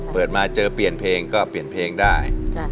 เปิดมาเจอเปลี่ยนเพลงก็เปลี่ยนเพลงได้